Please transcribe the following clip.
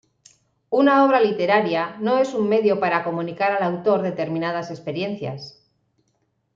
Una obra literaria no es un medio para comunicar al autor determinadas experiencias.